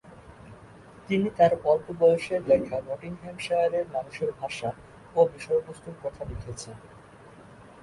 তিনি তার অল্পবয়সে দেখা নটিংহ্যামশায়ারের মানুষের ভাষা ও বিষয়বস্তুর কথা লিখেছেন।